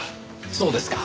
そうですか。